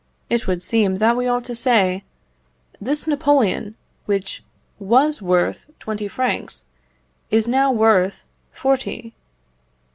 It would seem that we ought to say, "This Napoleon, which was worth twenty francs, is now worth forty."